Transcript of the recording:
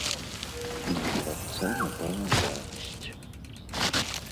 На жарабца напала млявасць.